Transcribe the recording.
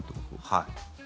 はい。